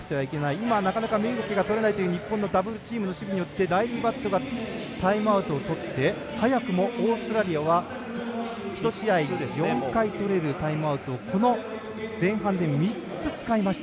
今、なかなか身動きが取れないという日本のダブルチームの守備によってライリー・バットがタイムアウトをとって早くもオーストラリアは１試合４回とれるタイムアウトをこの前半で３つ使いました。